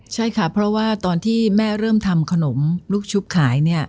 ใช่ค่ะเพราะว่าตอนที่แม่เริ่มทำขนมลูกชุบขายเนี่ย